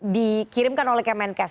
dikirimkan oleh kemenkes